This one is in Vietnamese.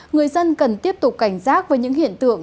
người dân cần tiếp tục cảnh giác với những hiện tượng